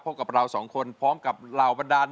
พบกับเรา๒คนพร้อมกับลาวบันดาล